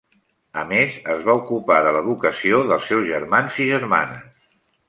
A més, es va ocupar de l'educació dels seus germans i germanes.